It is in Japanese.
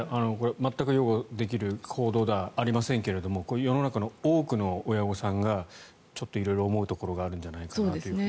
全く擁護できる行動ではありませんがこういう世の中の多くの親御さんがちょっと色々思うところがあるんじゃないかなと思います。